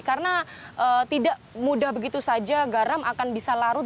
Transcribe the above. karena tidak mudah begitu saja garam akan bisa larut